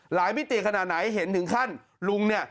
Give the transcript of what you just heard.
มิติขนาดไหนเห็นถึงขั้นลุงเนี่ย